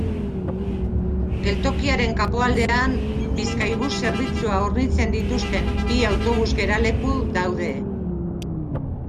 Geltokiaren kanpoaldean Bizkaibus zerbitzua hornitzen dituzten bi autobus geraleku daude.